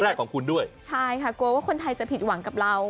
แรกของคุณด้วยใช่ค่ะกลัวว่าคนไทยจะผิดหวังกับเรา